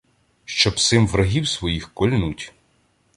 Щоб сим врагів своїх кольнуть.